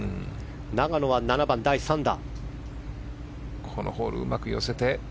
永野は７番、第３打。